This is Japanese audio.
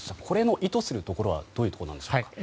これの意図するところはどういうところなんでしょうか。